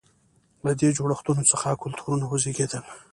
له دې جوړښتونو څخه کلتورونه وزېږېدل.